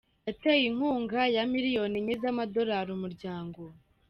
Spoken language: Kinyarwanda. yateye inkunga ya miliyoni enye z’amadorari umuryango